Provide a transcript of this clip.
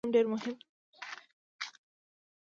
د تطبیق قدرت لرل هم ډیر مهم دي.